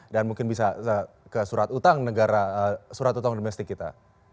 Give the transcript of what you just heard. dan mungkin bisa ke surat utang negara surat utang domestik kita